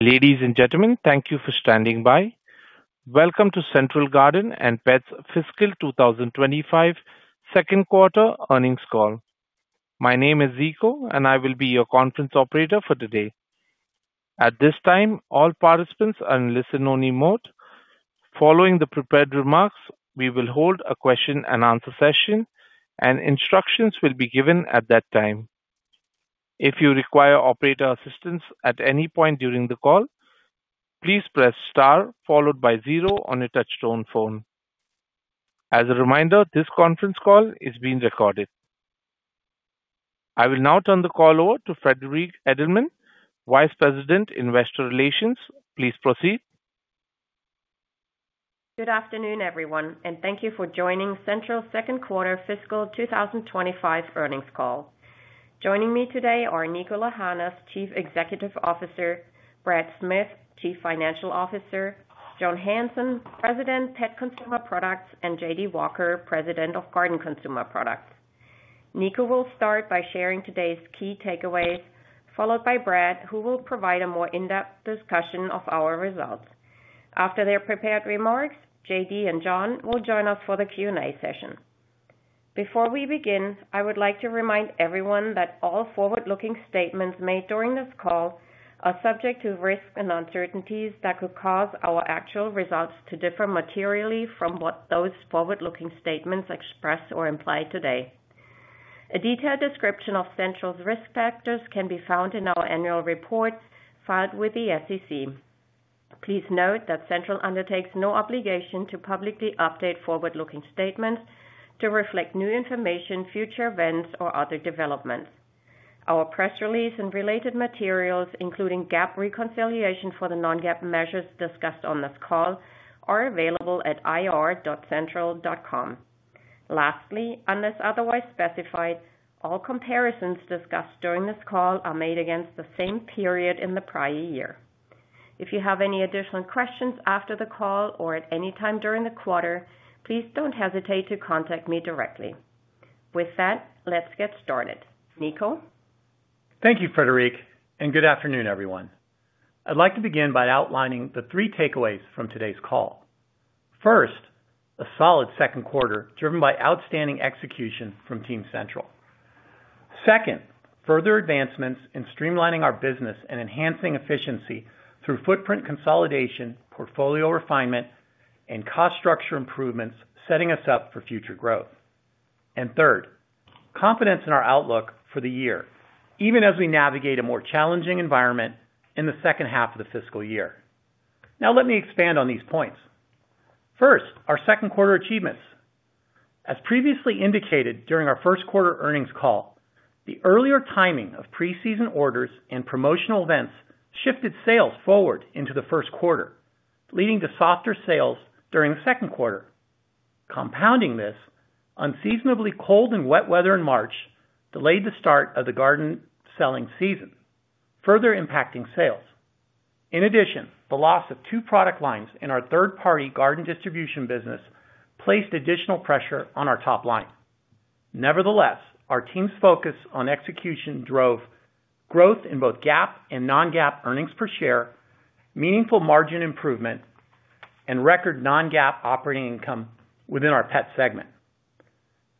Ladies and gentlemen, thank you for standing by. Welcome to Central Garden & Pet's Fiscal 2025 Second Quarter Earnings Call. My name is Zico, and I will be your conference operator for today. At this time, all participants are in listen-only mode. Following the prepared remarks, we will hold a question-and-answer session, and instructions will be given at that time. If you require operator assistance at any point during the call, please press star followed by zero on your touchstone phone. As a reminder, this conference call is being recorded. I will now turn the call over to Friederike Edelmann, Vice President, Investor Relations. Please proceed. Good afternoon, everyone, and thank you for joining Central Second Quarter Fiscal 2025 Earnings Call. Joining me today are Niko Lahanas, Chief Executive Officer; Brad Smith, Chief Financial Officer; John Hanson, President, Pet Consumer Products; and J. D. Walker, President of Garden Consumer Products. Niko will start by sharing today's key takeaways, followed by Brad, who will provide a more in-depth discussion of our results. After their prepared remarks, J. D. and John will join us for the Q&A session. Before we begin, I would like to remind everyone that all forward-looking statements made during this call are subject to risks and uncertainties that could cause our actual results to differ materially from what those forward-looking statements express or imply today. A detailed description of Central's risk factors can be found in our annual reports filed with the SEC. Please note that Central undertakes no obligation to publicly update forward-looking statements to reflect new information, future events, or other developments. Our press release and related materials, including GAAP reconciliation for the Non-GAAP measures discussed on this call, are available at ir.central.com. Lastly, unless otherwise specified, all comparisons discussed during this call are made against the same period in the prior year. If you have any additional questions after the call or at any time during the quarter, please do not hesitate to contact me directly. With that, let's get started. Niko? Thank you, Friederike, and good afternoon, everyone. I'd like to begin by outlining the three takeaways from today's call. First, a solid second quarter driven by outstanding execution from Team Central. Second, further advancements in streamlining our business and enhancing efficiency through footprint consolidation, portfolio refinement, and cost structure improvements, setting us up for future growth. Third, confidence in our outlook for the year, even as we navigate a more challenging environment in the second half of the fiscal year. Now, let me expand on these points. First, our second quarter achievements. As previously indicated during our first quarter earnings call, the earlier timing of pre-season orders and promotional events shifted sales forward into the first quarter, leading to softer sales during the second quarter. Compounding this, unseasonably cold and wet weather in March delayed the start of the garden selling season, further impacting sales. In addition, the loss of two product lines in our third-party garden distribution business placed additional pressure on our top line. Nevertheless, our team's focus on execution drove growth in both GAAP and Non-GAAP earnings per share, meaningful margin improvement, and record Non-GAAP operating income within our Pet segment.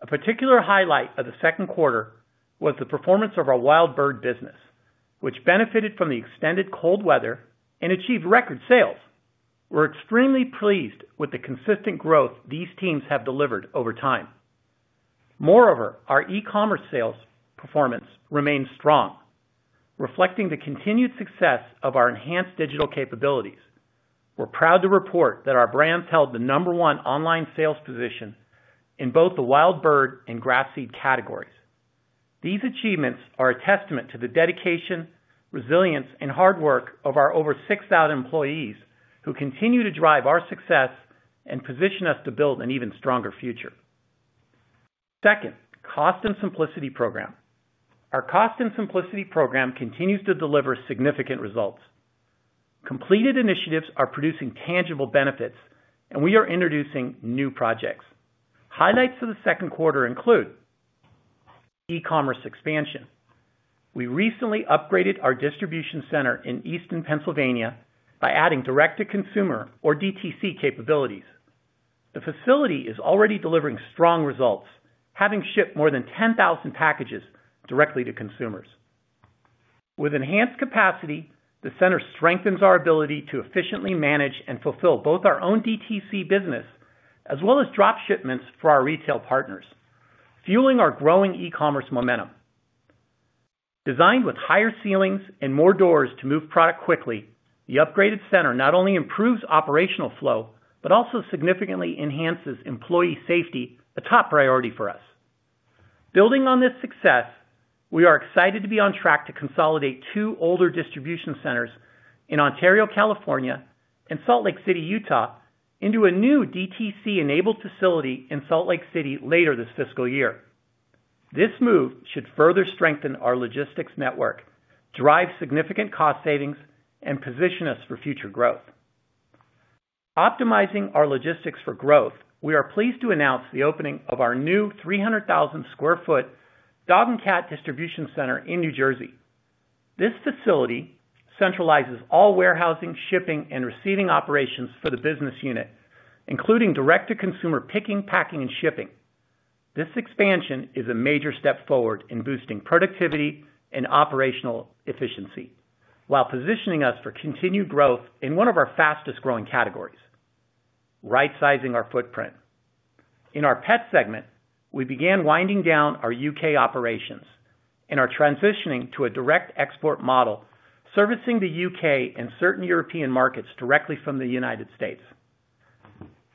A particular highlight of the second quarter was the performance of our Wild Bird business, which benefited from the extended cold weather and achieved record sales. We're extremely pleased with the consistent growth these teams have delivered over time. Moreover, our e-commerce sales performance remained strong, reflecting the continued success of our enhanced digital capabilities. We're proud to report that our brand held the number one online sales position in both the Wild Bird and Grass Seed categories. These achievements are a testament to the dedication, resilience, and hard work of our over 6,000 employees who continue to drive our success and position us to build an even stronger future. Second, Cost and Simplicity program. Our Cost and Simplicity program continues to deliver significant results. Completed initiatives are producing tangible benefits, and we are introducing new projects. Highlights of the second quarter include e-commerce expansion. We recently upgraded our distribution center in Eastern Pennsylvania by adding direct-to-consumer, or DTC, capabilities. The facility is already delivering strong results, having shipped more than 10,000 packages directly to consumers. With enhanced capacity, the center strengthens our ability to efficiently manage and fulfill both our own DTC business as well as drop shipments for our retail partners, fueling our growing e-commerce momentum. Designed with higher ceilings and more doors to move product quickly, the upgraded center not only improves operational flow but also significantly enhances employee safety, a top priority for us. Building on this success, we are excited to be on track to consolidate two older distribution centers in Ontario, California, and Salt Lake City, Utah, into a new DTC-enabled facility in Salt Lake City later this fiscal year. This move should further strengthen our logistics network, drive significant cost savings, and position us for future growth. Optimizing our logistics for growth, we are pleased to announce the opening of our new 300,000 sq ft Dog and Cat Distribution Center in New Jersey. This facility centralizes all warehousing, shipping, and receiving operations for the business unit, including direct-to-consumer picking, packing, and shipping. This expansion is a major step forward in boosting productivity and operational efficiency while positioning us for continued growth in one of our fastest-growing categories: right-sizing our footprint. In our Pet segment, we began winding down our U.K. operations and are transitioning to a direct export model servicing the U.K. and certain European markets directly from the United States.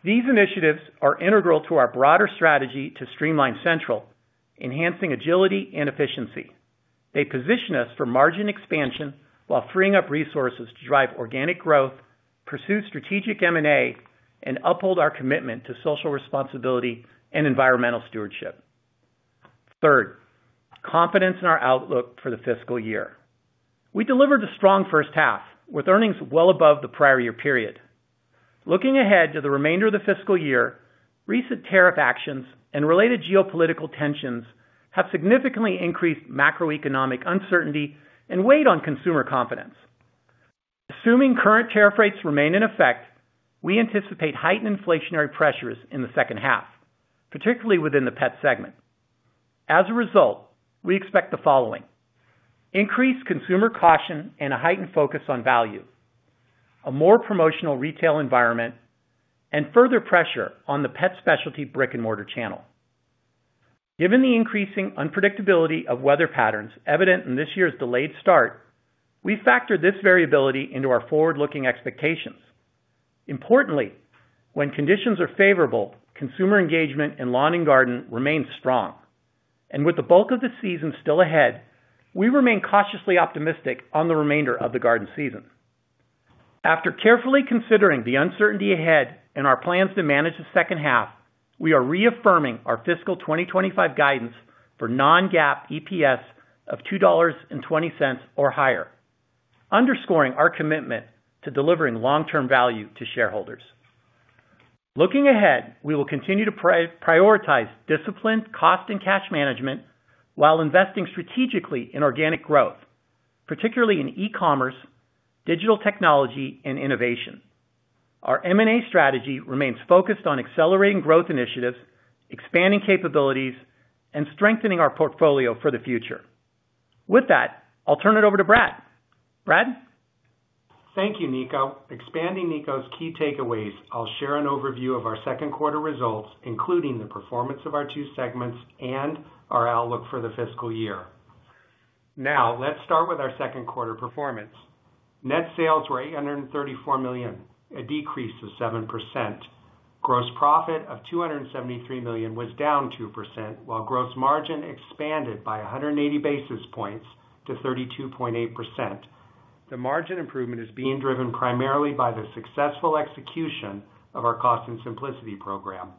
These initiatives are integral to our broader strategy to streamline Central, enhancing agility and efficiency. They position us for margin expansion while freeing up resources to drive organic growth, pursue strategic M&A, and uphold our commitment to social responsibility and environmental stewardship. Third, confidence in our outlook for the fiscal year. We delivered a strong first half with earnings well above the prior year period. Looking ahead to the remainder of the fiscal year, recent tariff actions and related geopolitical tensions have significantly increased macroeconomic uncertainty and weighed on consumer confidence. Assuming current tariff rates remain in effect, we anticipate heightened inflationary pressures in the second half, particularly within the Pet segment. As a result, we expect the following: increased consumer caution and a heightened focus on value, a more promotional retail environment, and further pressure on the pet specialty brick-and-mortar channel. Given the increasing unpredictability of weather patterns evident in this year's delayed start, we factor this variability into our forward-looking expectations. Importantly, when conditions are favorable, consumer engagement in lawn and garden remains strong. With the bulk of the season still ahead, we remain cautiously optimistic on the remainder of the garden season. After carefully considering the uncertainty ahead and our plans to manage the second half, we are reaffirming our fiscal 2025 guidance for Non-GAAP EPS of $2.20 or higher, underscoring our commitment to delivering long-term value to shareholders. Looking ahead, we will continue to prioritize disciplined cost and cash management while investing strategically in organic growth, particularly in e-commerce, digital technology, and innovation. Our M&A strategy remains focused on accelerating growth initiatives, expanding capabilities, and strengthening our portfolio for the future. With that, I'll turn it over to Brad. Brad. Thank you, Niko. Expanding Niko's key takeaways, I'll share an overview of our second quarter results, including the performance of our two segments and our outlook for the fiscal year. Now, let's start with our second quarter performance. Net sales were $834 million, a decrease of 7%. Gross profit of $273 million was down 2%, while gross margin expanded by 180 basis points to 32.8%. The margin improvement is being driven primarily by the successful execution of our Cost and Simplicity program.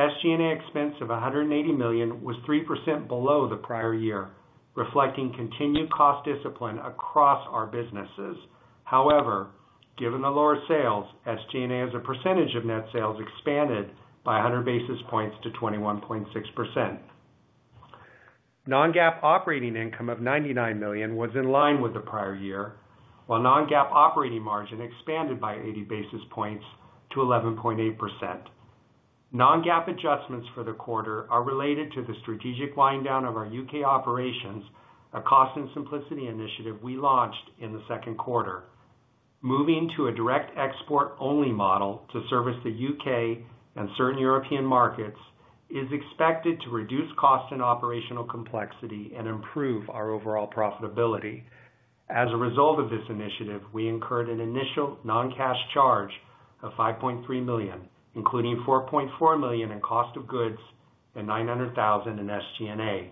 SG&A expense of $180 million was 3% below the prior year, reflecting continued cost discipline across our businesses. However, given the lower sales, SG&A as a percentage of net sales expanded by 100 basis points to 21.6%. Non-GAAP operating income of $99 million was in line with the prior year, while Non-GAAP operating margin expanded by 80 basis points to 11.8%. Non-GAAP adjustments for the quarter are related to the strategic wind-down of our U.K. operations, a Cost and Simplicity initiative we launched in the second quarter. Moving to a direct export-only model to service the U.K. and certain European markets is expected to reduce cost and operational complexity and improve our overall profitability. As a result of this initiative, we incurred an initial non-cash charge of $5.3 million, including $4.4 million in cost of goods and $900,000 in SG&A.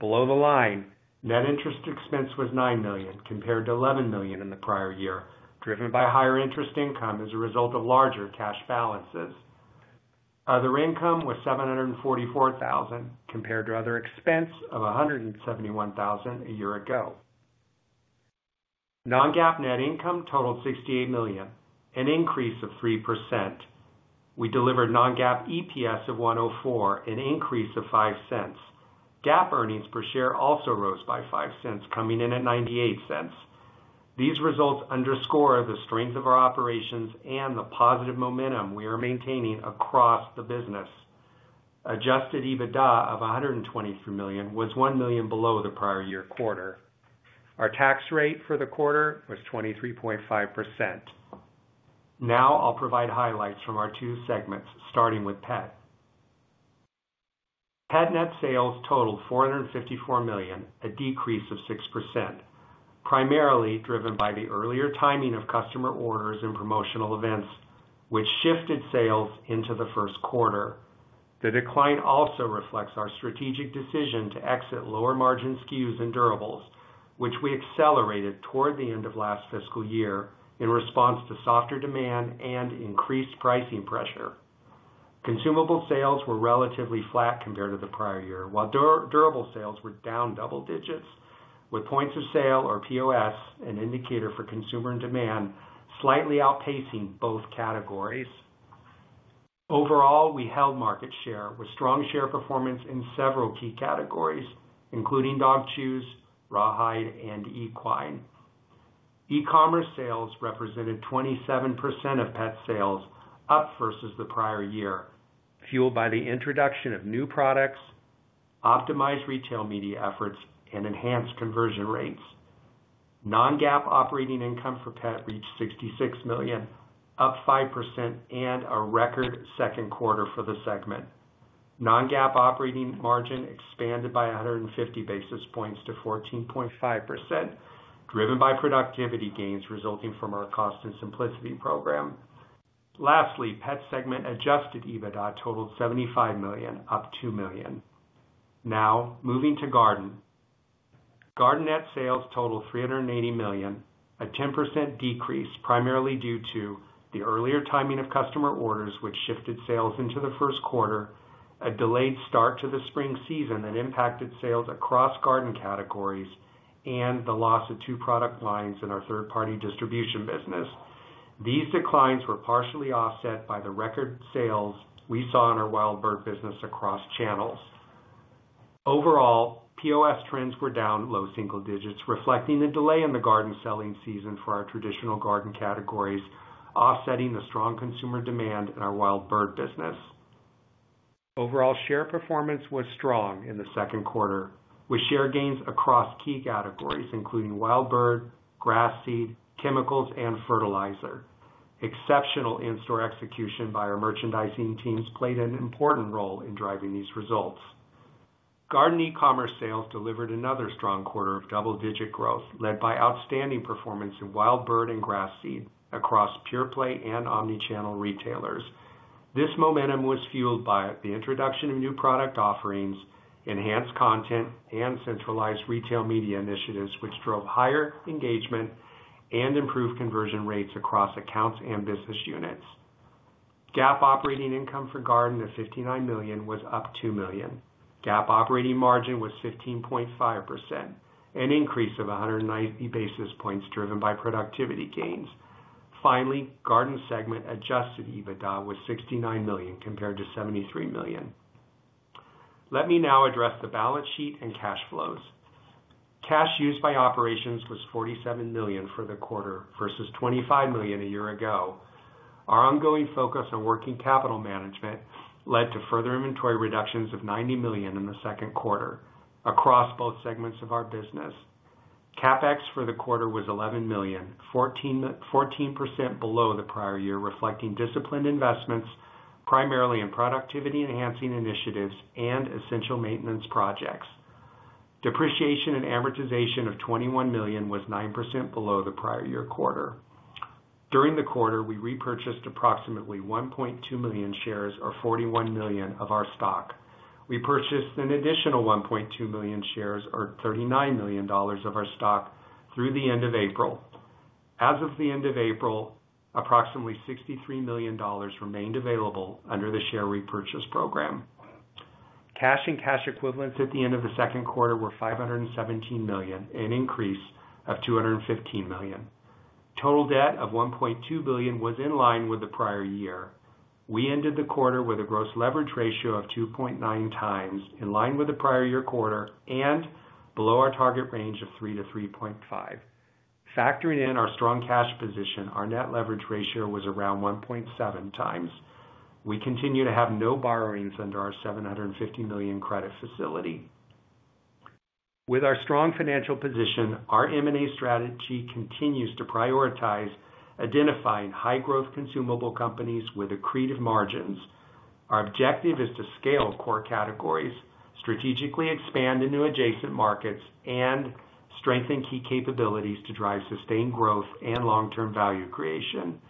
Below the line, net interest expense was $9 million compared to $11 million in the prior year, driven by higher interest income as a result of larger cash balances. Other income was $744,000 compared to other expense of $171,000 a year ago. Non-GAAP net income totaled $68 million, an increase of 3%. We delivered Non-GAAP EPS of $1.04, an increase of $0.05. GAAP earnings per share also rose by $0.05, coming in at $0.98. These results underscore the strength of our operations and the positive momentum we are maintaining across the business. Adjusted EBITDA of $123 million was $1 million below the prior year quarter. Our tax rate for the quarter was 23.5%. Now, I'll provide highlights from our two segments, starting with Pet. Pet net sales totaled $454 million, a decrease of 6%, primarily driven by the earlier timing of customer orders and promotional events, which shifted sales into the first quarter. The decline also reflects our strategic decision to exit lower margin SKUs and durables, which we accelerated toward the end of last fiscal year in response to softer demand and increased pricing pressure. Consumable sales were relatively flat compared to the prior year, while durable sales were down double digits, with points of sale, or POS, an indicator for consumer and demand, slightly outpacing both categories. Overall, we held market share with strong share performance in several key categories, including dog chews, rawhide, and equine. E-commerce sales represented 27% of pet sales, up versus the prior year, fueled by the introduction of new products, optimized retail media efforts, and enhanced conversion rates. Non-GAAP operating income for pet reached $66 million, up 5%, and a record second quarter for the segment. Non-GAAP operating margin expanded by 150 basis points to 14.5%, driven by productivity gains resulting from our Cost and Simplicity program. Lastly, pet segment adjusted EBITDA totaled $75 million, up $2 million. Now, moving to Garden. Garden net sales totaled $380 million, a 10% decrease primarily due to the earlier timing of customer orders, which shifted sales into the first quarter, a delayed start to the spring season that impacted sales across garden categories, and the loss of two product lines in our third-party distribution business. These declines were partially offset by the record sales we saw in our Wild Bird business across channels. Overall, POS trends were down low single digits, reflecting the delay in the garden selling season for our traditional garden categories, offsetting the strong consumer demand in our Wild Bird business. Overall share performance was strong in the second quarter, with share gains across key categories, including Wild Bird, Grass Seed, Chemicals, and Fertilizer. Exceptional in-store execution by our merchandising teams played an important role in driving these results. Garden e-commerce sales delivered another strong quarter of double-digit growth, led by outstanding performance in Wild Bird and Grass Seed across pure-play and omnichannel retailers. This momentum was fueled by the introduction of new product offerings, enhanced content, and centralized retail media initiatives, which drove higher engagement and improved conversion rates across accounts and business units. GAAP operating income for garden of $59 million was up $2 million. GAAP operating margin was 15.5%, an increase of 190 basis points driven by productivity gains. Finally, garden segment Adjusted EBITDA was $69 million compared to $73 million. Let me now address the balance sheet and cash flows. Cash used by operations was $47 million for the quarter versus $25 million a year ago. Our ongoing focus on working capital management led to further inventory reductions of $90 million in the second quarter across both segments of our business. CapEx for the quarter was $11 million, 14% below the prior year, reflecting disciplined investments primarily in productivity-enhancing initiatives and essential maintenance projects. Depreciation and amortization of $21 million was 9% below the prior year quarter. During the quarter, we repurchased approximately 1.2 million shares, or $41 million, of our stock. We purchased an additional 1.2 million shares, or $39 million, of our stock through the end of April. As of the end of April, approximately $63 million remained available under the share repurchase program. Cash and cash equivalents at the end of the second quarter were $517 million, an increase of $215 million. Total debt of $1.2 billion was in line with the prior year. We ended the quarter with a gross leverage ratio of 2.9x, in line with the prior year quarter and below our target range of 3x-3.5x. Factoring in our strong cash position, our net leverage ratio was around 1.7x. We continue to have no borrowings under our $750 million credit facility. With our strong financial position, our M&A strategy continues to prioritize identifying high-growth consumable companies with accretive margins. Our objective is to scale core categories, strategically expand into adjacent markets, and strengthen key capabilities to drive sustained growth and long-term value creation.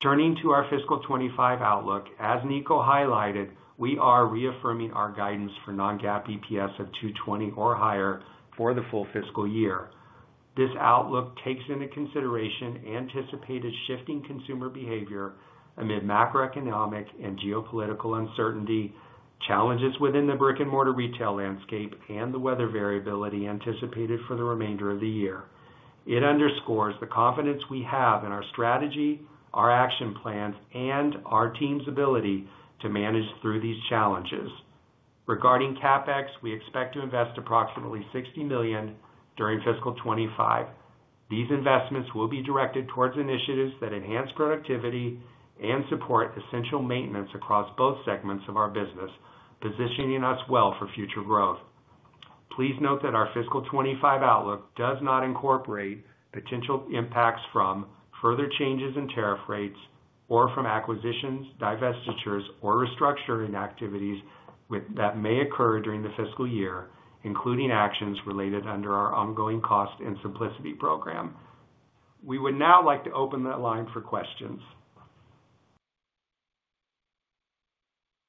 Turning to our fiscal 2025 outlook, as Niko highlighted, we are reaffirming our guidance for Non-GAAP EPS of $2.20 or higher for the full fiscal year. This outlook takes into consideration anticipated shifting consumer behavior amid macroeconomic and geopolitical uncertainty, challenges within the brick-and-mortar retail landscape, and the weather variability anticipated for the remainder of the year. It underscores the confidence we have in our strategy, our action plans, and our team's ability to manage through these challenges. Regarding CapEx, we expect to invest approximately $60 million during fiscal 2025. These investments will be directed towards initiatives that enhance productivity and support essential maintenance across both segments of our business, positioning us well for future growth. Please note that our fiscal 2025 outlook does not incorporate potential impacts from further changes in tariff rates or from acquisitions, divestitures, or restructuring activities that may occur during the fiscal year, including actions related under our ongoing Cost and Simplicity program. We would now like to open the line for questions.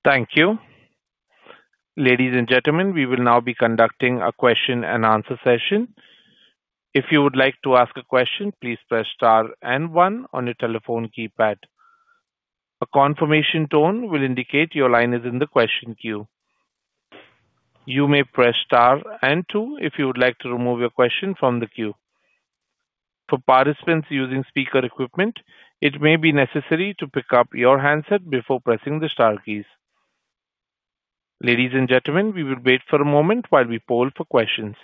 Thank you. Ladies and gentlemen, we will now be conducting a question-and-answer session. If you would like to ask a question, please press star and one on your telephone keypad. A confirmation tone will indicate your line is in the question queue. You may press star and two if you would like to remove your question from the queue. For participants using speaker equipment, it may be necessary to pick up your handset before pressing the star keys. Ladies and gentlemen, we will wait for a moment while we poll for questions.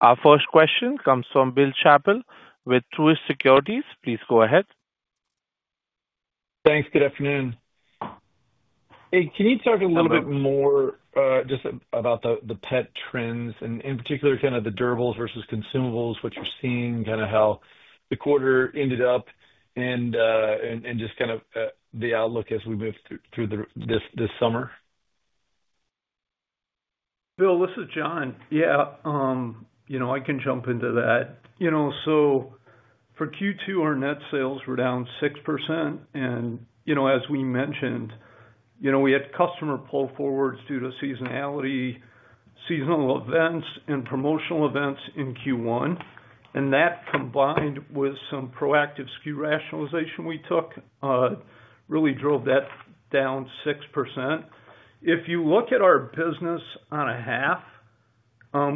Our first question comes from Bill Chappell with Truist Securities. Please go ahead. Thanks. Good afternoon. Hey, can you talk a little bit more just about the pet trends and, in particular, kind of the durables versus Consumables, what you're seeing, kind of how the quarter ended up, and just kind of the outlook as we move through this summer? Bill, this is John. Yeah, I can jump into that. For Q2, our net sales were down 6%. As we mentioned, we had customer pull forwards due to seasonality, seasonal events, and promotional events in Q1. That combined with some proactive SKU rationalization we took really drove that down 6%. If you look at our business on a half,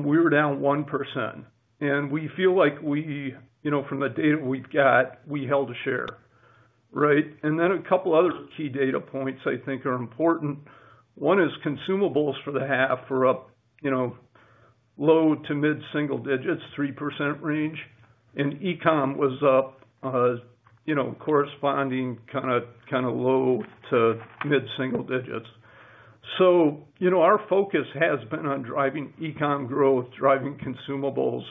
we were down 1%. We feel like from the data we've got, we held a share, right? A couple of other key data points I think are important. One is Consumables for the half were up low to mid-single digits, 3% range. E-commerce was up corresponding kind of low to mid-single digits. Our focus has been on driving e-commerce growth, driving Consumables.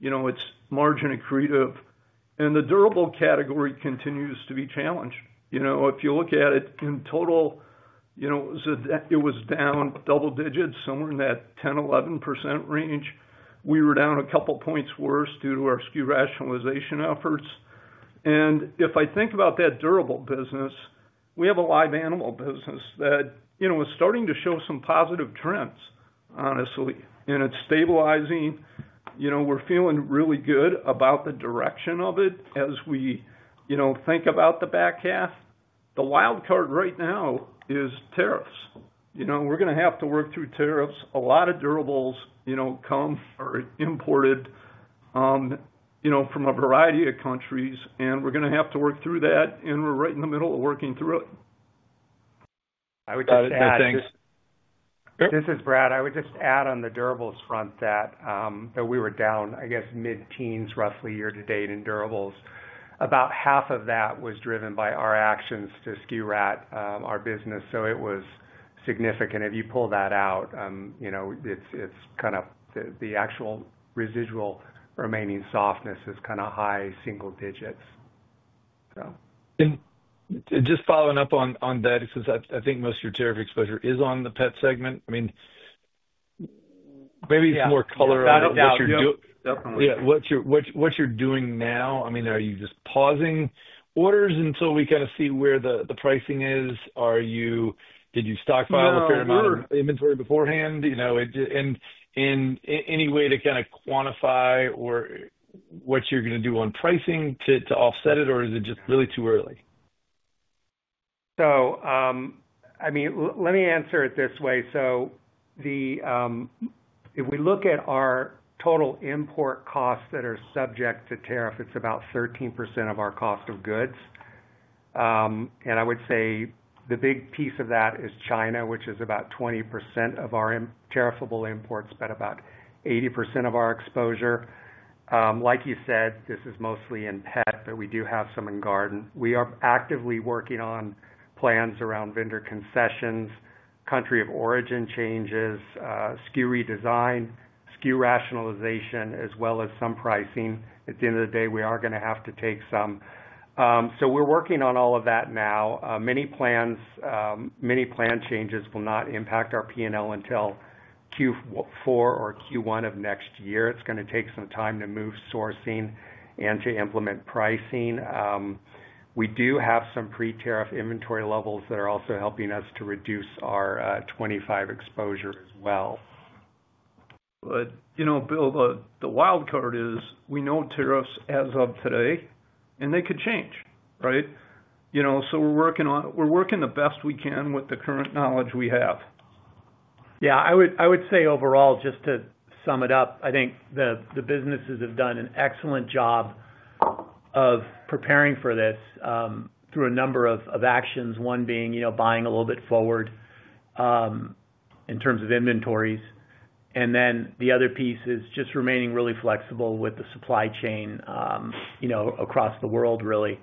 It's margin accretive. The durable category continues to be challenged. If you look at it in total, it was down double digits, somewhere in that 10%, 11% range. We were down a couple of points worse due to our SKU rationalization efforts. If I think about that Durable business, we have a live animal business that is starting to show some positive trends, honestly. It is stabilizing. We are feeling really good about the direction of it as we think about the back half. The wild card right now is tariffs. We are going to have to work through tariffs. A lot of durables come or are imported from a variety of countries. We are going to have to work through that. We are right in the middle of working through it. I would just add to. This is Brad. I would just add on the durables front that we were down, I guess, mid-teens, roughly year to date in durables. About half of that was driven by our actions to SKU rat, our business. So it was significant. If you pull that out, it's kind of the actual residual remaining softness is kind of high single digits, so. Just following up on that, since I think most of your tariff exposure is on the Pet segment, I mean, maybe it's more color on what you're doing. Yeah, definitely. Yeah. What are you doing now? I mean, are you just pausing orders until we kind of see where the pricing is? Did you stockpile a fair amount of inventory beforehand? Any way to kind of quantify what you're going to do on pricing to offset it, or is it just really too early? I mean, let me answer it this way. If we look at our total import costs that are subject to tariff, it's about 13% of our cost of goods. I would say the big piece of that is China, which is about 20% of our tariffable imports, but about 80% of our exposure. Like you said, this is mostly in Pet, but we do have some in Parden. We are actively working on plans around vendor concessions, country of origin changes, SKU redesign, SKU rationalization, as well as some pricing. At the end of the day, we are going to have to take some. We are working on all of that now. Many plan changes will not impact our P&L until Q4 or Q1 of next year. It's going to take some time to move sourcing and to implement pricing. We do have some pre-tariff inventory levels that are also helping us to reduce our 25% exposure as well. Bill, the wild card is we know tariffs as of today, and they could change, right? So we're working the best we can with the current knowledge we have. Yeah. I would say overall, just to sum it up, I think the businesses have done an excellent job of preparing for this through a number of actions, one being buying a little bit forward in terms of inventories. The other piece is just remaining really flexible with the supply chain across the world, really.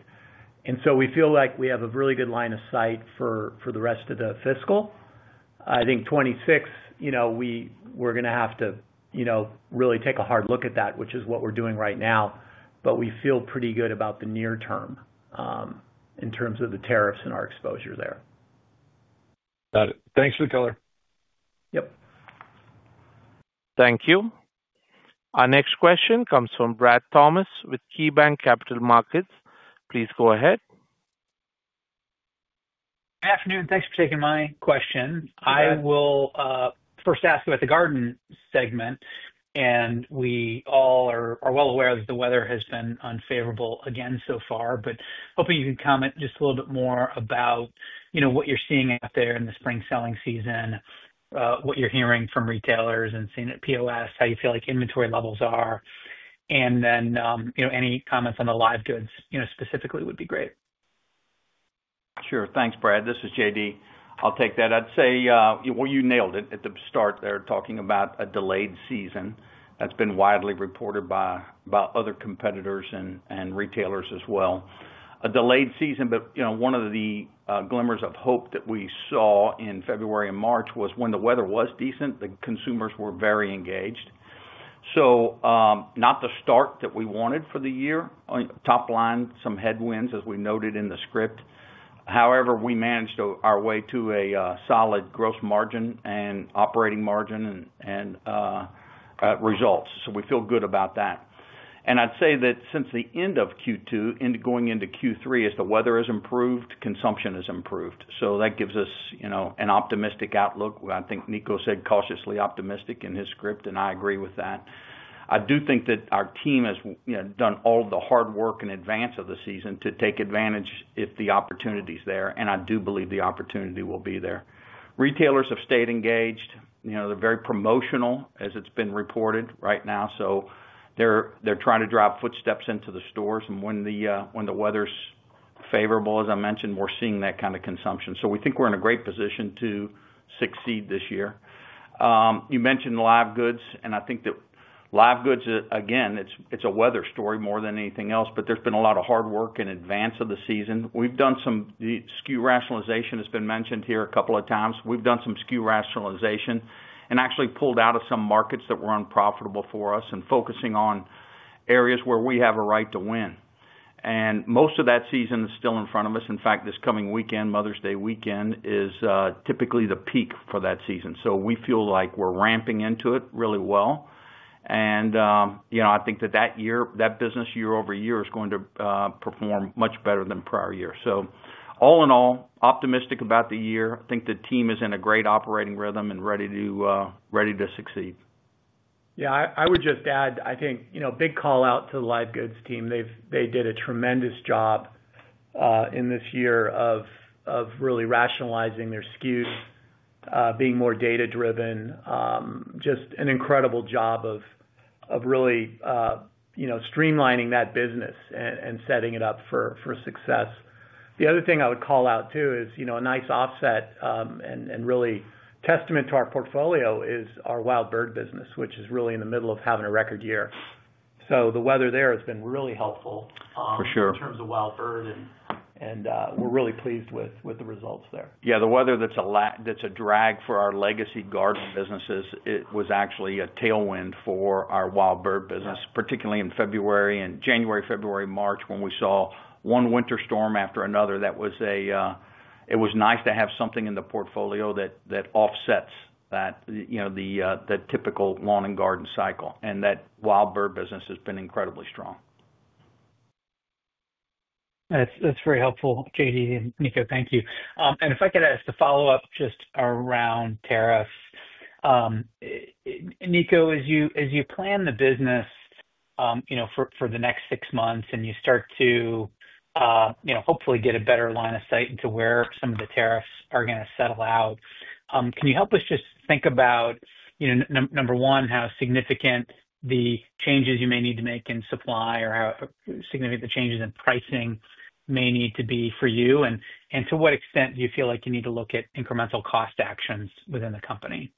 We feel like we have a really good line of sight for the rest of the fiscal. I think 2026, we're going to have to really take a hard look at that, which is what we're doing right now. We feel pretty good about the near term in terms of the tariffs and our exposure there. Got it. Thanks for the color. Yep. Thank you. Our next question comes from Brad Thomas with KeyBanc Capital Markets. Please go ahead. Good afternoon. Thanks for taking my question. I will first ask about the Garden segment. We all are well aware that the weather has been unfavorable again so far, but hoping you can comment just a little bit more about what you're seeing out there in the spring selling season, what you're hearing from retailers and seeing at POS, how you feel like inventory levels are. Any comments on the live goods specifically would be great. Sure. Thanks, Brad. This is J. D. I'll take that. I'd say you nailed it at the start there talking about a delayed season. That's been widely reported by other competitors and retailers as well. A delayed season, but one of the glimmers of hope that we saw in February and March was when the weather was decent, the consumers were very engaged. Not the start that we wanted for the year. Top line, some headwinds, as we noted in the script. However, we managed our way to a solid gross margin and operating margin and results. We feel good about that. I'd say that since the end of Q2 into going into Q3, as the weather has improved, consumption has improved. That gives us an optimistic outlook. I think Niko said cautiously optimistic in his script, and I agree with that. I do think that our team has done all of the hard work in advance of the season to take advantage if the opportunity is there. I do believe the opportunity will be there. Retailers have stayed engaged. They're very promotional, as it's been reported right now. They're trying to drive footsteps into the stores. When the weather's favorable, as I mentioned, we're seeing that kind of consumption. We think we're in a great position to succeed this year. You mentioned live goods. I think that live goods, again, it's a weather story more than anything else, but there's been a lot of hard work in advance of the season. We've done some SKU rationalization as has been mentioned here a couple of times. We've done some SKU rationalization and actually pulled out of some markets that were unprofitable for us and focusing on areas where we have a right to win. Most of that season is still in front of us. In fact, this coming weekend, Mother's Day weekend, is typically the peak for that season. We feel like we're ramping into it really well. I think that year, that business year-over-year is going to perform much better than prior year. All in all, optimistic about the year. I think the team is in a great operating rhythm and ready to succeed. Yeah. I would just add, I think big call out to the live goods team. They did a tremendous job in this year of really rationalizing their SKUs, being more data-driven, just an incredible job of really streamlining that business and setting it up for success. The other thing I would call out too is a nice offset and really testament to our portfolio is our Wild Bird business, which is really in the middle of having a record year. The weather there has been really helpful in terms of Wild Bird. We are really pleased with the results there. Yeah. The weather that's a drag for our legacy garden businesses was actually a tailwind for our Wild Bird business, particularly in February and January, February, March, when we saw one winter storm after another. It was nice to have something in the portfolio that offsets that typical lawn and garden cycle. That Wild Bird business has been incredibly strong. That's very helpful, J.D. and Niko. Thank you. If I could ask a follow-up just around tariffs. Niko, as you plan the business for the next six months and you start to hopefully get a better line of sight into where some of the tariffs are going to settle out, can you help us just think about, number one, how significant the changes you may need to make in supply or how significant the changes in pricing may need to be for you? To what extent do you feel like you need to look at incremental cost actions within the company?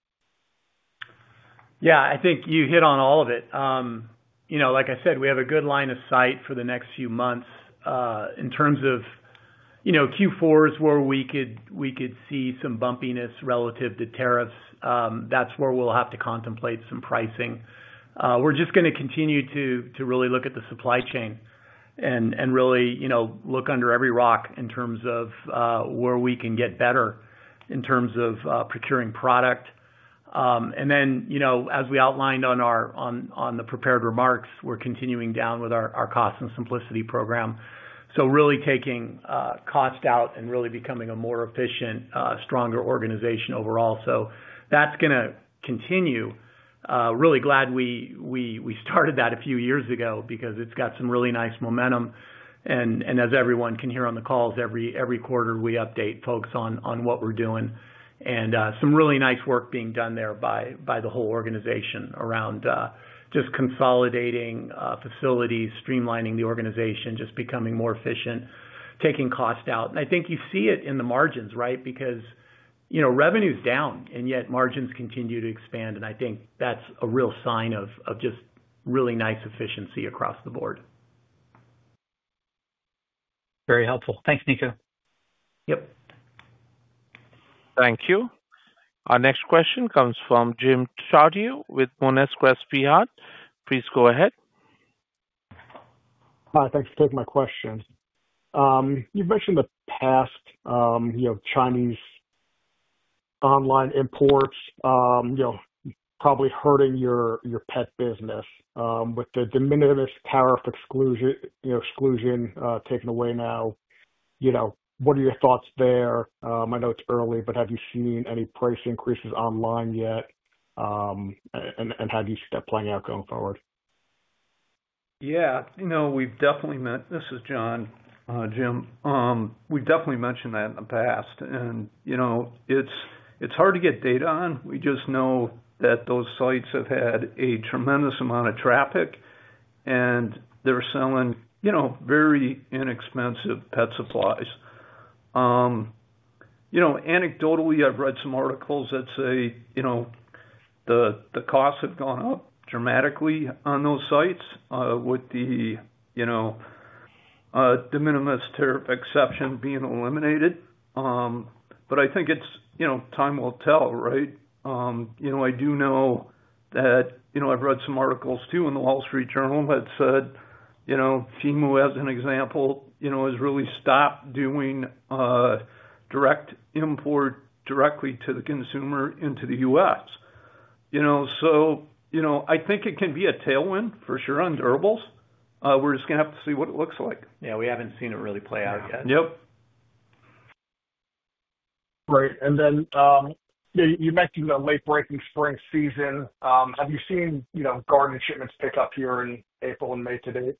Yeah. I think you hit on all of it. Like I said, we have a good line of sight for the next few months. In terms of Q4 is where we could see some bumpiness relative to tariffs, that is where we will have to contemplate some pricing. We are just going to continue to really look at the supply chain and really look under every rock in terms of where we can get better in terms of procuring product. As we outlined on the prepared remarks, we are continuing down with our Cost and Simplicity program. Really taking cost out and really becoming a more efficient, stronger organization overall. That is going to continue. Really glad we started that a few years ago because it has got some really nice momentum. As everyone can hear on the calls, every quarter we update folks on what we are doing. Some really nice work being done there by the whole organization around just consolidating facilities, streamlining the organization, just becoming more efficient, taking cost out. I think you see it in the margins, right? Because revenue's down, and yet margins continue to expand. I think that's a real sign of just really nice efficiency across the board. Very helpful. Thanks, Niko. Yep. Thank you. Our next question comes from Jim Chartier with Monness, Crespi, Hardt. Please go ahead. Hi. Thanks for taking my question. You've mentioned the past Chinese online imports probably hurting your Pet business. With the diminutive tariff exclusion taken away now, what are your thoughts there? I know it's early, but have you seen any price increases online yet? How do you see that playing out going forward? Yeah. We've definitely met—this is John, Jim—we've definitely mentioned that in the past. It's hard to get data on. We just know that those sites have had a tremendous amount of traffic, and they're selling very inexpensive pet supplies. Anecdotally, I've read some articles that say the costs have gone up dramatically on those sites with the de minimis tariff exception being eliminated. I think time will tell, right? I do know that I've read some articles too in The Wall Street Journal that said FEMA, as an example, has really stopped doing direct import directly to the consumer into the U.S. I think it can be a tailwind for sure on durables. We're just going to have to see what it looks like. Yeah. We haven't seen it really play out yet. Yep. Right. You mentioned the late breaking spring season. Have you seen garden shipments pick up here in April and May to date?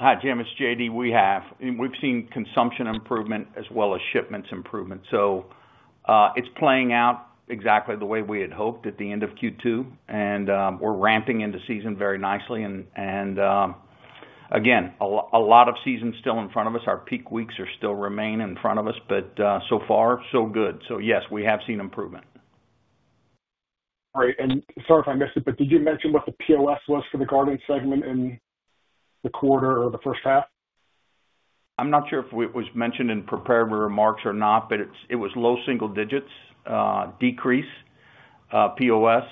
Hi, Jim. It's J. D. We have. We have seen consumption improvement as well as shipments improvement. It is playing out exactly the way we had hoped at the end of Q2. We are ramping into season very nicely. A lot of season is still in front of us. Our peak weeks are still remaining in front of us. So far, so good. Yes, we have seen improvement. Right. Sorry if I missed it, but did you mention what the POS was for the Garden segment in the quarter or the first half? I'm not sure if it was mentioned in prepared remarks or not, but it was low single digits decrease POS.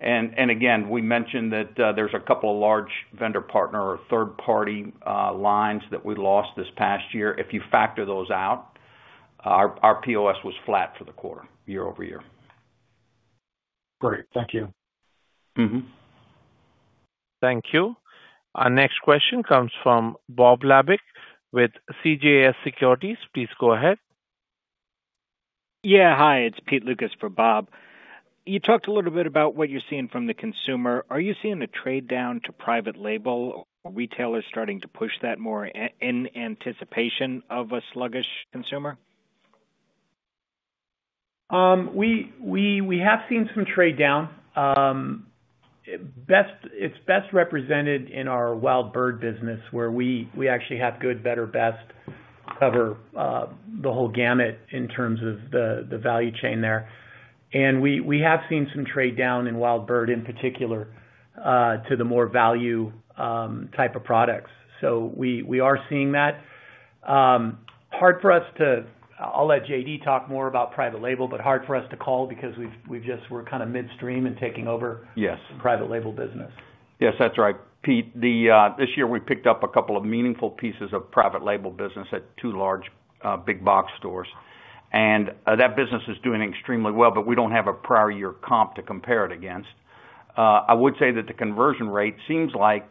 Again, we mentioned that there's a couple of large vendor partner or third-party lines that we lost this past year. If you factor those out, our POS was flat for the quarter year-over-year. Great. Thank you. Thank you. Our next question comes from Bob Labick with CJS Securities. Please go ahead. Yeah. Hi. It's Pete Lukas for Bob. You talked a little bit about what you're seeing from the consumer. Are you seeing a trade down to private label? Are retailers starting to push that more in anticipation of a sluggish consumer? We have seen some trade down. It is best represented in our Wild Bird business where we actually have good, better, best, cover the whole gamut in terms of the value chain there. We have seen some trade down in Wild Bird in particular to the more value type of products. We are seeing that. Hard for us to—I will let J. D. talk more about private label, but hard for us to call because we are kind of midstream and taking over private label business. Yes. That's right. Pete, this year we picked up a couple of meaningful pieces of private label business at two large big box stores. That business is doing extremely well, but we do not have a prior year comp to compare it against. I would say that the conversion rate seems like,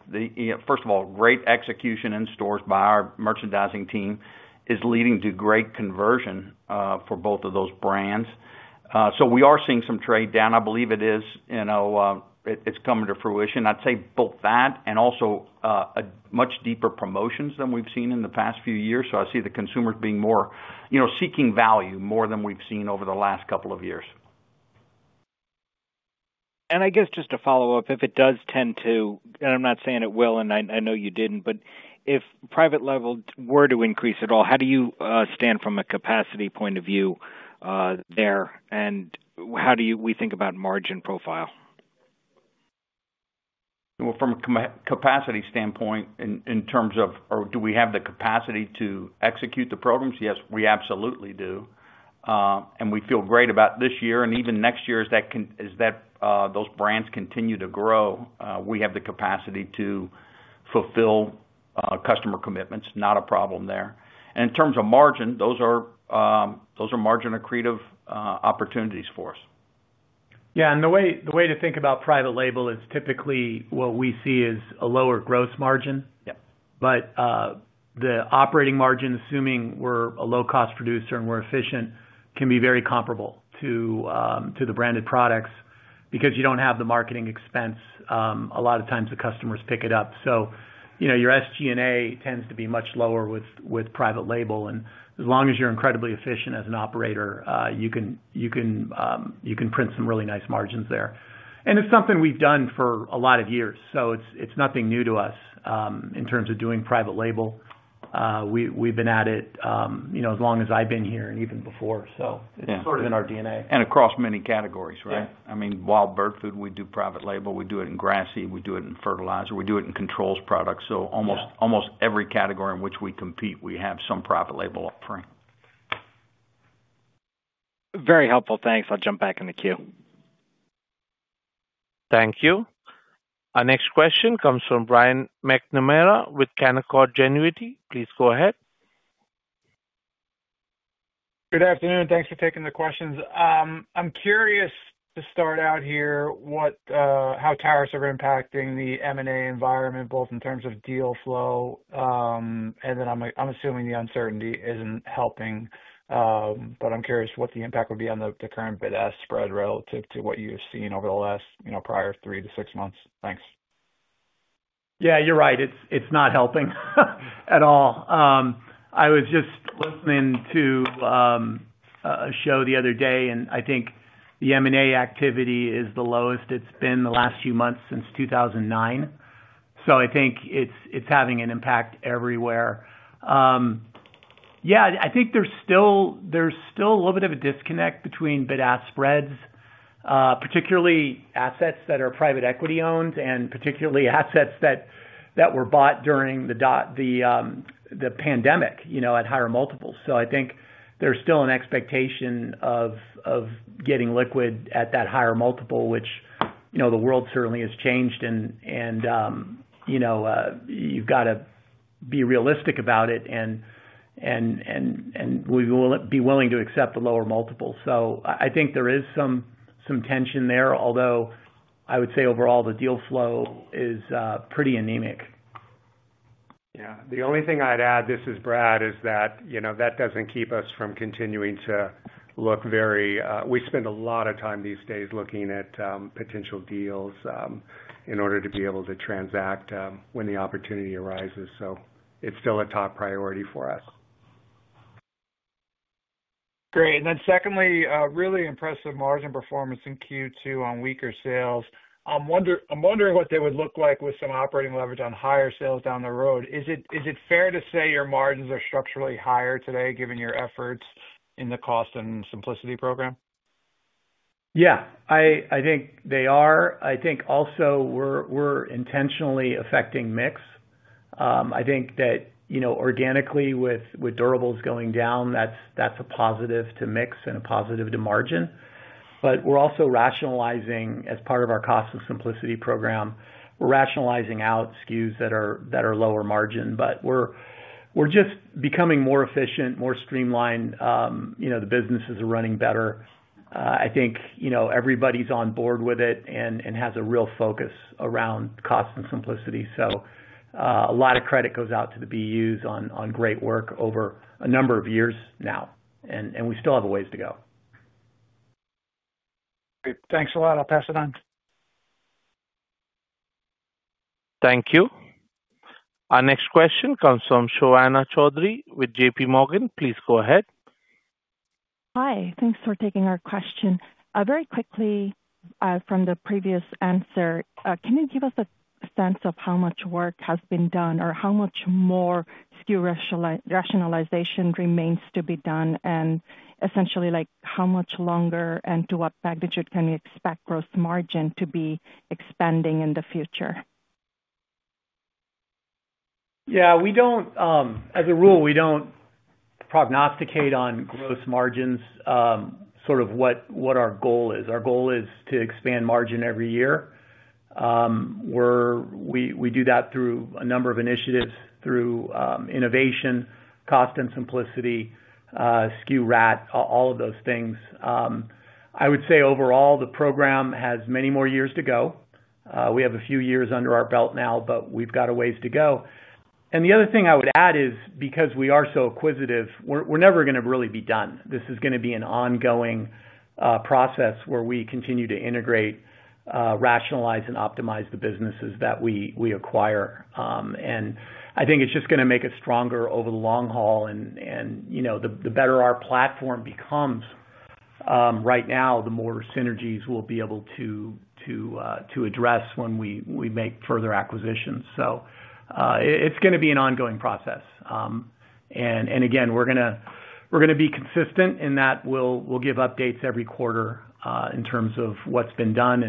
first of all, great execution in stores by our merchandising team is leading to great conversion for both of those brands. We are seeing some trade down. I believe it is, it is coming to fruition. I would say both that and also much deeper promotions than we have seen in the past few years. I see the consumers being more seeking value more than we have seen over the last couple of years. I guess just a follow-up. If it does tend to—and I'm not saying it will, and I know you didn't—but if private label were to increase at all, how do you stand from a capacity point of view there? How do we think about margin profile? From a capacity standpoint in terms of, do we have the capacity to execute the programs? Yes, we absolutely do. We feel great about this year and even next year as those brands continue to grow. We have the capacity to fulfill customer commitments. Not a problem there. In terms of margin, those are margin accretive opportunities for us. Yeah. The way to think about private label is typically what we see is a lower gross margin. The operating margin, assuming we're a low-cost producer and we're efficient, can be very comparable to the branded products because you don't have the marketing expense. A lot of times the customers pick it up. Your SG&A tends to be much lower with private label. As long as you're incredibly efficient as an operator, you can print some really nice margins there. It's something we've done for a lot of years. It's nothing new to us in terms of doing private label. We've been at it as long as I've been here and even before. It's sort of in our DNA. Across many categories, right? Yeah. I mean, Wild Bird, we do private label. We do it in Grass Seed. We do it in Fertilizer. We do it in Controls products. Almost every category in which we compete, we have some private label offering. Very helpful. Thanks. I'll jump back in the queue. Thank you. Our next question comes from Brian McNamara with Canaccord Genuity. Please go ahead. Good afternoon. Thanks for taking the questions. I'm curious to start out here how tariffs are impacting the M&A environment, both in terms of deal flow. I'm assuming the uncertainty isn't helping. I'm curious what the impact would be on the current bid-ask spread relative to what you've seen over the last prior three to six months. Thanks. Yeah. You're right. It's not helping at all. I was just listening to a show the other day, and I think the M&A activity is the lowest it's been the last few months since 2009. I think it's having an impact everywhere. I think there's still a little bit of a disconnect between bid-ask spreads, particularly assets that are private equity-owned and particularly assets that were bought during the pandemic at higher multiples. I think there's still an expectation of getting liquid at that higher multiple, which the world certainly has changed. You've got to be realistic about it, and we will be willing to accept the lower multiples. I think there is some tension there, although I would say overall the deal flow is pretty anemic. Yeah. The only thing I'd add, this is Brad, is that that doesn't keep us from continuing to look very—we spend a lot of time these days looking at potential deals in order to be able to transact when the opportunity arises. It is still a top priority for us. Great. Secondly, really impressive margin performance in Q2 on weaker sales. I'm wondering what they would look like with some operating leverage on higher sales down the road. Is it fair to say your margins are structurally higher today given your efforts in the Cost and Simplicity program? Yeah. I think they are. I think also we're intentionally affecting mix. I think that organically with durables going down, that's a positive to mix and a positive to margin. We're also rationalizing as part of our Cost and Simplicity program. We're rationalizing out SKUs that are lower margin. We're just becoming more efficient, more streamlined. The businesses are running better. I think everybody's on board with it and has a real focus around Cost and Simplicity. A lot of credit goes out to the BUs on great work over a number of years now. We still have a ways to go. Great. Thanks a lot. I'll pass it on. Thank you. Our next question comes from Shovana Chowdhury with JPMorgan. Please go ahead. Hi. Thanks for taking our question. Very quickly from the previous answer, can you give us a sense of how much work has been done or how much more SKU rationalization remains to be done? Essentially, how much longer and to what magnitude can we expect gross margin to be expanding in the future? Yeah. As a rule, we do not prognosticate on gross margins, sort of what our goal is. Our goal is to expand margin every year. We do that through a number of initiatives, through innovation, Cost and Simplicity, SKU rat, all of those things. I would say overall, the program has many more years to go. We have a few years under our belt now, but we have got a ways to go. The other thing I would add is because we are so acquisitive, we are never going to really be done. This is going to be an ongoing process where we continue to integrate, rationalize, and optimize the businesses that we acquire. I think it is just going to make us stronger over the long haul. The better our platform becomes right now, the more synergies we will be able to address when we make further acquisitions. It is going to be an ongoing process. Again, we are going to be consistent in that we will give updates every quarter in terms of what has been done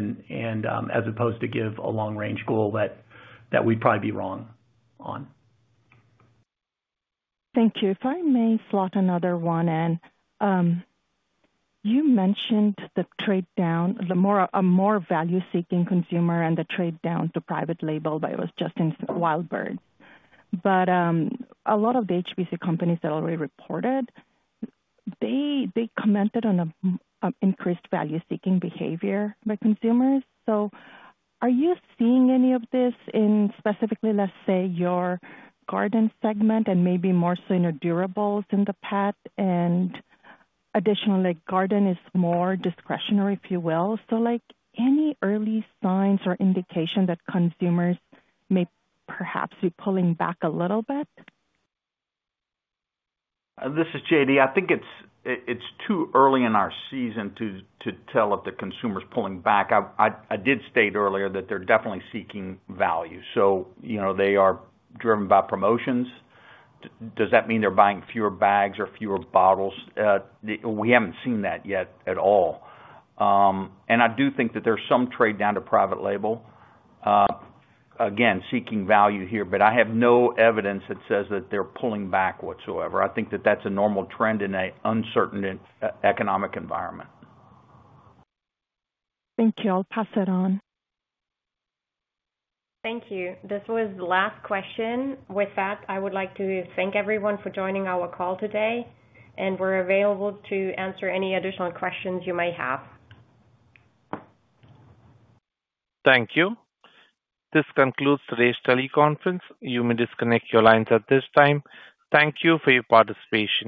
as opposed to give a long-range goal that we would probably be wrong on. Thank you. If I may slot another one in, you mentioned the trade down, a more value-seeking consumer and the trade down to private label by just Wild Bird. A lot of the HPC companies that already reported, they commented on increased value-seeking behavior by consumers. Are you seeing any of this in specifically, let's say, your Garden segment and maybe more so in durables in the past? Additionally, Garden is more discretionary, if you will. Any early signs or indication that consumers may perhaps be pulling back a little bit? This is J. D. I think it's too early in our season to tell if the consumer's pulling back. I did state earlier that they're definitely seeking value. They are driven by promotions. Does that mean they're buying fewer bags or fewer bottles? We haven't seen that yet at all. I do think that there's some trade down to private label, again, seeking value here. I have no evidence that says that they're pulling back whatsoever. I think that that's a normal trend in an uncertain economic environment. Thank you. I'll pass it on. Thank you. This was the last question. With that, I would like to thank everyone for joining our call today. We are available to answer any additional questions you may have. Thank you. This concludes today's teleconference. You may disconnect your lines at this time. Thank you for your participation.